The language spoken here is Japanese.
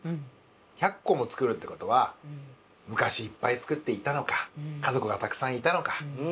百個も作るってことは昔いっぱい作っていたのか家族がたくさんいたのか。